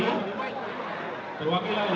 ya terwakil dari dpr